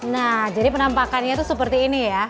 nah jadi penampakannya itu seperti ini ya